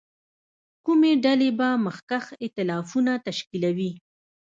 کومې ډلې به مخکښ اېتلافونه تشکیلوي.